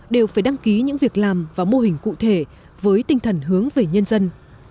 đều phải đăng ký những việc làm và mô hình cụ thể với tinh thần hướng về nhân dân